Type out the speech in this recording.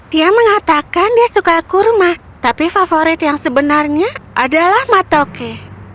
dia mengatakan dia suka kurma tapi favorit yang sebenarnya adalah matoke